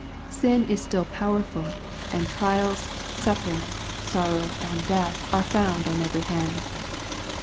Sin is still powerful, and trials, suffering, sorrow and death are found on every hand.